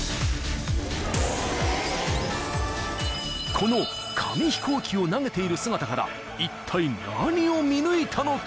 ［この紙飛行機を投げている姿からいったい何を見抜いたのか？］